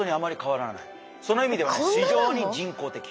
本当にその意味ではね非常に人工的。